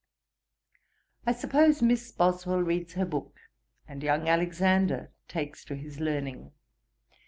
'I suppose Miss Boswell reads her book, and young Alexander takes to his learning.